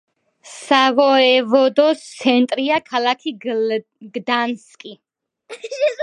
სავოევოდოს ცენტრია ქალაქი გდანსკი.